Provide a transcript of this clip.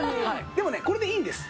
でもねこれでいいんです。